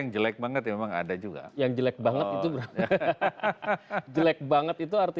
jelek banget itu artinya